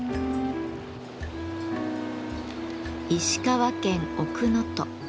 石川県奥能登。